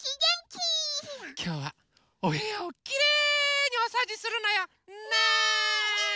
きょうはおへやをきれいにおそうじするのよ。ね！